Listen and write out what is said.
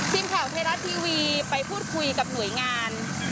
ทีมข่าวไทยรัฐทีวีไปพูดคุยกับหน่วยงาน